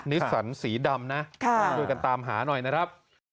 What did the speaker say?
นิสสันสีดำนะช่วยกันตามหาหน่อยนะครับ